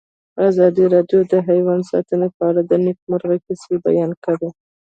ازادي راډیو د حیوان ساتنه په اړه د نېکمرغۍ کیسې بیان کړې.